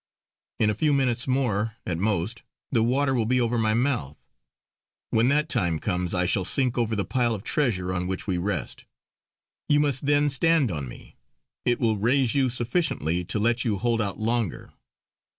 In a few minutes more, at most, the water will be over my mouth. When that time comes I shall sink over the pile of treasure on which we rest. You must then stand on me; it will raise you sufficiently to let you hold out longer."